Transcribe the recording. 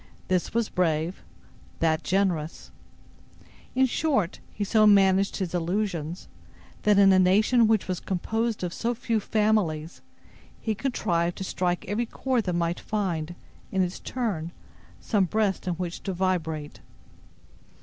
This was brave, that generous. In short, he so managed his allusions, that in a nation which was composed of so few families, he contrived to strike every chord that might find, in its turn, some breast in which to vibrate.